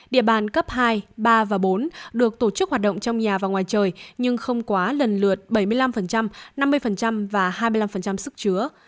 địa bàn cấp hai ba và bốn được tổ chức hoạt động trong nhà và ngoài trời nhưng không quá lần lượt bảy mươi năm năm mươi và hai mươi năm sức chứa